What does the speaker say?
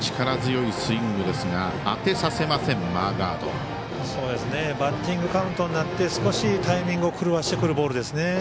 力強いスイングですが当てさせません、マーガード。バッティングカウントになって少しタイミングを狂わしてくるボールですね。